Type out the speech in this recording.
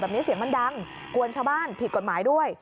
เสียงมันดังกวนชาวบ้านผิดกฎหมายด้วย